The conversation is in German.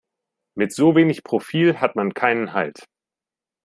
Mit so wenig Profil hat man keinen Halt.